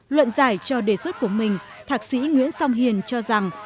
luận giải cho đề xuất của mình thạc sĩ nguyễn song hiền cho rằng